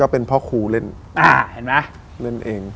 เพราะครูเล่นเอง